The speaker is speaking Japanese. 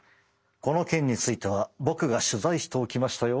この件については僕が取材しておきましたよ！